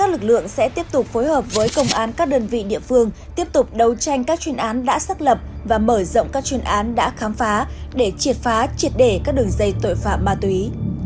lực lượng sẽ tiếp tục phối hợp với công an các đơn vị địa phương tiếp tục đấu tranh các chuyên án đã xác lập và mở rộng các chuyên án đã khám phá để triệt phá triệt để các đường dây tội phạm ma túy